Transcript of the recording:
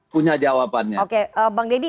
punya jawabannya oke bang deddy